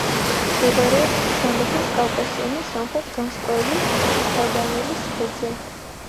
მდებარეობს სვანეთის კავკასიონის სამხრეთ განშტოების ცალგმილის ქედზე.